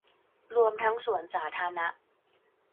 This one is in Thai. รวมทั้งสวนสาธาณะ